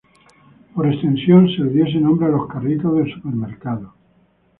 Por extensión, se le dio ese nombre a los carritos del supermercado.